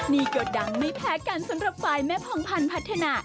นี่ก็ดังไม่แพ้กันสำหรับฝ่ายแม่ผ่องพันธ์พัฒนา